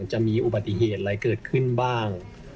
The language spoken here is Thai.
จะมีอุบัติเหตุอะไรเกิดขึ้นบ้าง